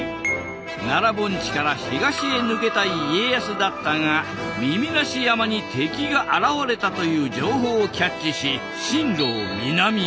奈良盆地から東へ抜けたい家康だったが耳成山に敵が現れたという情報をキャッチし進路を南へ。